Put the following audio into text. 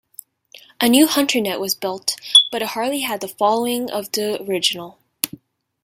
A new Hunter-Net was built, but it hardly had the following of the original.